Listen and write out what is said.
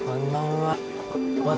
はい。